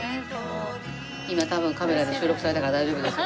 今多分カメラで収録されたから大丈夫ですよ。